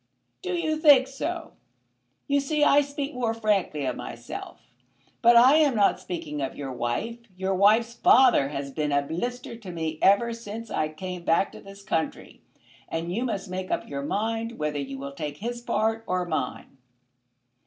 "Do you think so? You see I speak more frankly of myself. But I am not speaking of your wife. Your wife's father has been a blister to me ever since I came back to this country, and you must make up your mind whether you will take his part or mine.